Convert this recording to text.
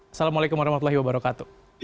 assalamualaikum warahmatullahi wabarakatuh